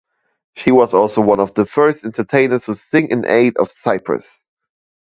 She was also one of the first entertainers to sing in aid of Cyprus.